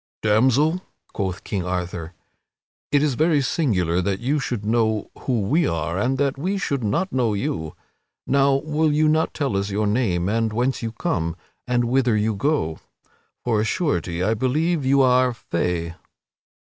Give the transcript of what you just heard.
"Damsel," quoth King Arthur, "it is very singular that you should know who we are and that we should not know you. Now, will you not tell us your name and whence you come and whither you go? For of a surety I believe you are Fay."